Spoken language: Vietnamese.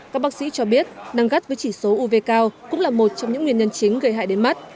các bác sĩ cho biết năng gắt với chỉ số uv cao cũng là một trong những nguyên nhân chính gây hại đến mắt